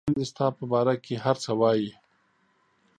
رنګ دې ستا په باره کې هر څه وایي